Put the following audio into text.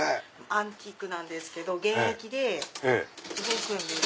アンティークなんですけど現役で動くんです。